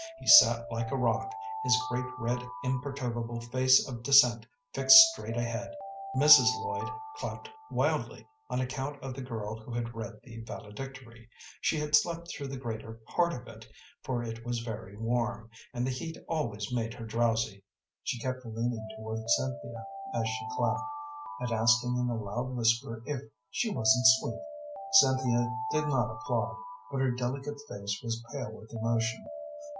He sat like a rock, his great, red, imperturbable face of dissent fixed straight ahead. Mrs. Lloyd clapped wildly, on account of the girl who had read the valedictory. She had slept through the greater part of it, for it was very warm, and the heat always made her drowsy. She kept leaning towards Cynthia as she clapped, and asking in a loud whisper if she wasn't sweet. Cynthia did not applaud, but her delicate face was pale with emotion.